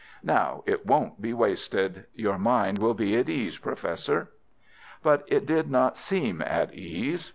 "Now it won't be wasted. Your mind will be at ease, Professor." But it did not seem at ease.